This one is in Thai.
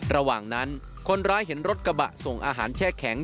ระหว่างนั้นคนร้ายเห็นรถกระบะส่งอาหารแช่แข็ง